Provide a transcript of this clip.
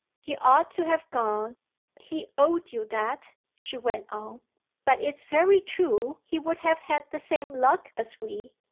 "He ought to have gone; he owed you that," she went on; "but it's very true he would have had the same luck as we.